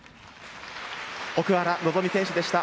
奥原希望選手でした。